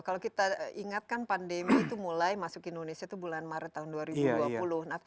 kalau kita ingatkan pandemi itu mulai masuk indonesia itu bulan maret tahun dua ribu dua puluh